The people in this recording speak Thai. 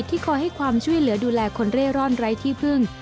คอยให้ความช่วยเหลือดูแลคนเร่ร่อนไร้ที่พึ่ง